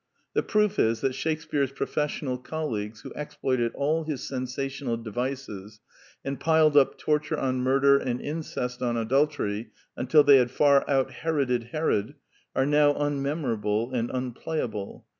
The proof is that Shakespear's professional colleagues, who ex ploited all his sensational devices, and piled up torture on murder and incest on adultery until they had far out Heroded Herod, are now un memorable and unplayable.